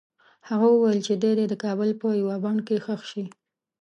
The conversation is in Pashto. هغه وویل چې دی دې د کابل په یوه بڼ کې ښخ شي.